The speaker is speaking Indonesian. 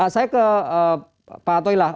saya ke pak atoy lah